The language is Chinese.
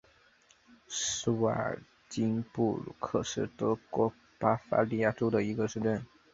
施瓦尔岑布鲁克是德国巴伐利亚州的一个市镇。